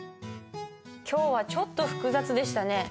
今日はちょっと複雑でしたね。